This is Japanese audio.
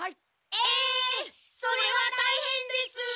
えそれはたいへんです！